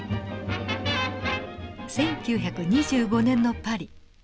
１９２５年のパリ。